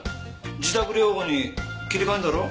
自宅療法に切り替えんだろ？